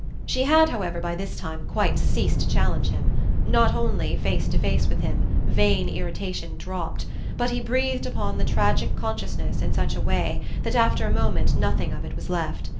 She had, however, by this time, quite ceased to challenge him; not only, face to face with him, vain irritation dropped, but he breathed upon the tragic consciousness in such a way that after a moment nothing of it was left.